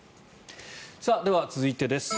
では、続いてです。